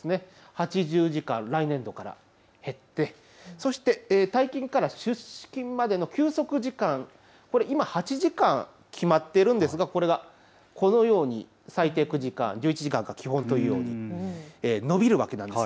８０時間、来年度から減ってそして退勤から出勤までの休息時間、今、８時間決まっているんですがこれがこのように最低９時間、１１時間が基本と、延びるわけなんです。